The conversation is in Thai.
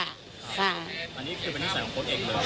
อันนี้คือเป็นนิสัยของโค้ดเองเลย